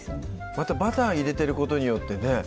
またバター入れてることによってね